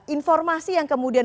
informasi yang kemudian